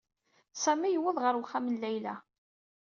Sami yewweḍ ɣer uxxam n Layla.